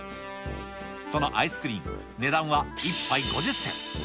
そのアイスクリン、値段は１杯５０銭。